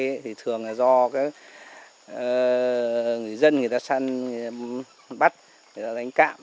thì thường là do người dân người ta săn người ta bắt người ta đánh cạm